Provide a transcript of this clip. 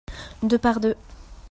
deux par deux.